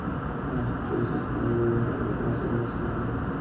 Es una especie muy extendida, desde África hasta el sur de Escandinavia.